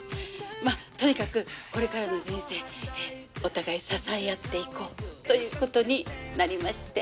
まっとにかくこれからの人生お互い支え合っていこうということになりまして。